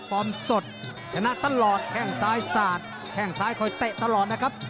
ฟอร์มสดชนะตลอดแข่งซ้ายสาธิ์แข่งซ้ายเขาโตเตะตลอดนะครับ